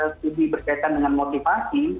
studi berkaitan dengan motivasi